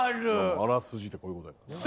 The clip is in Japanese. あらすじってこういうことやもんな。